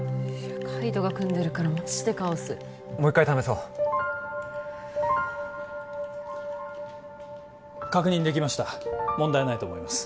海斗が組んでるからマジでカオスもう一回試そう確認できました問題ないと思います